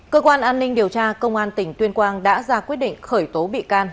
cơ quan an ninh điều tra công an tỉnh tuyên quang đã ra quyết định khởi tố bị can